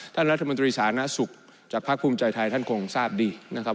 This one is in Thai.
ท่านรัฐมนตรีสาธารณสุขจากภาคภูมิใจไทยท่านคงทราบดีนะครับ